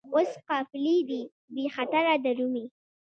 اوس قافلې دي بې خطره درومي